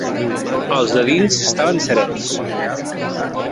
Els de dins estaven serens